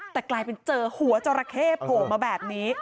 แต่กลายเป็นเจอหัวจราเข้โผล่มาแบบนี้